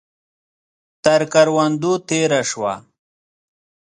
تر کروندو تېره شوه.